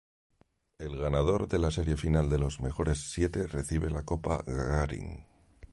El ganador de la serie final de los mejores siete recibe la Copa Gagarin.